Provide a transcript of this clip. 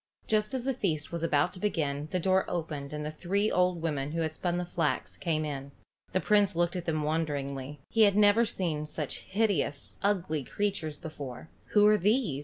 Just as the feast was about to begin the door opened and the three old women who had spun the flax came in. The Prince looked at them wonderingly. Never had he seen such hideous, ugly creatures before. "Who are these?"